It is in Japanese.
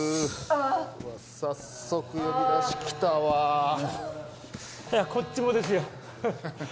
うわっ早速呼び出し来たわこっちもですよ・